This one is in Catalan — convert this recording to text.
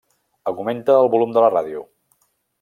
Augmenta el volum de la ràdio.